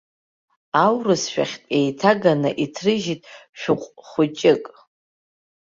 Аурысшәахьтә еиҭаганы иҭрыжьит шәыҟә хәыҷык.